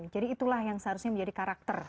itulah yang seharusnya menjadi karakter